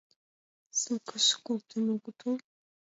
Ссылкыш колтен огытыл?